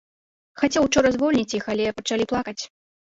Хацеў учора звольніць іх, але пачалі плакаць.